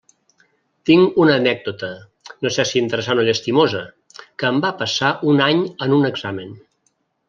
Tinc una anècdota, no sé si interessant o llastimosa, que em va passar un any en un examen.